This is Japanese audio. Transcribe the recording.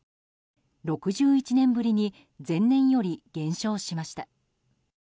６１年ぶりに前年より減少しました。